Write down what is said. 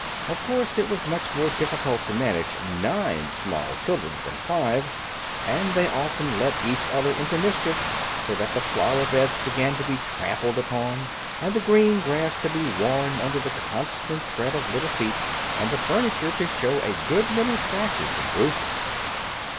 Of course it was much more difficult to manage nine small children than five; and they often led each other into mischief, so that the flower beds began to be trampled upon and the green grass to be worn under the constant tread of little feet, and the furniture to show a good many scratches and bruises.